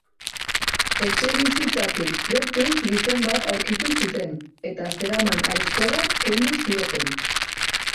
Etxebizitzatik gertu gizon bat aurkitu zuten, eta zeraman aizkora kendu zioten.